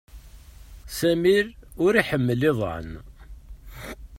Sami ur iḥmil iḍan